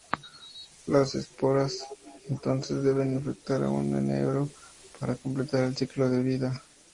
Las esporas entonces deben infectar a un enebro para completar el ciclo de vida.